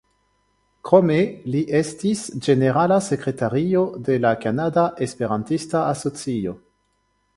Krome, li estis ĝenerala sekretario de la Kanada Esperantista Asocio.